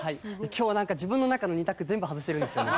今日はなんか自分の中の２択全部外してるんですよね。